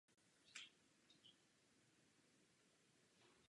Letoun létal jen ve fázi prototypu a nikdy nebyl vyráběn.